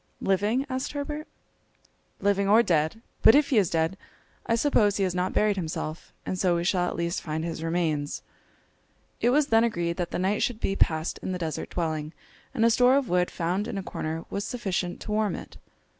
"Living?" asked Herbert. "Living or dead. But if he is dead, I suppose he has not buried himself, and so we shall at least find his remains!" It was then agreed that the night should be passed in the deserted dwelling, and a store of wood found in a corner was sufficient to warm it.